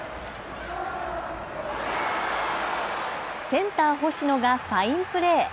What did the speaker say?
センター星野がファインプレー。